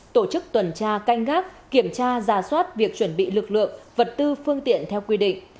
tổ chức tuần tra canh gác kiểm tra giả soát việc chuẩn bị lực lượng vật tư phương tiện theo quy định